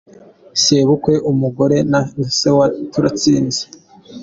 Sebukwe, umugore, na Se wa Turatsinze